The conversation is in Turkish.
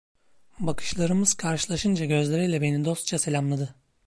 Bakışlarımız karşılaşınca gözleriyle beni dostça selamladı.